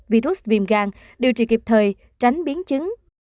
virus viêm gan điều trị kịp thời tránh biến chứng